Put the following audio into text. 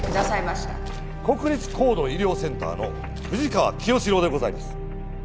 国立高度医療センターの富士川清志郎でございます。